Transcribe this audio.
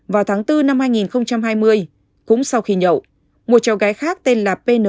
vào tháng bốn năm hai nghìn hai mươi cũng sau khi nhậu một cháu gái khác tên là pnqa sinh năm hai nghìn một mươi ba